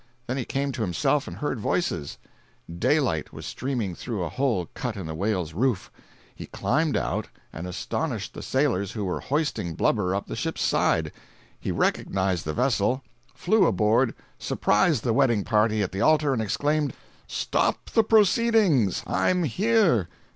Then he came to himself and heard voices; daylight was streaming through a hole cut in the whale's roof. He climbed out and astonished the sailors who were hoisting blubber up a ship's side. He recognized the vessel, flew aboard, surprised the wedding party at the altar and exclaimed: "Stop the proceedings—I'm here!